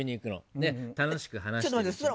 で、楽しく話して。